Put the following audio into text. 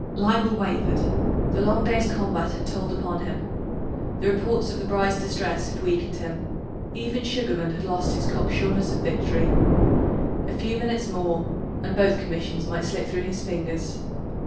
Leibel wavered; the long day's combat had told upon him; the reports of the bride's distress had weakened him. Even Sugarman had lost his cocksureness of victory. A few minutes more and both commissions might slip through his fingers.